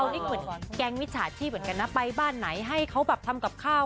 นี่เหมือนแก๊งมิจฉาชีพเหมือนกันนะไปบ้านไหนให้เขาแบบทำกับข้าว